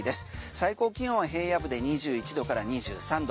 最高気温は平野部で２１度から２３度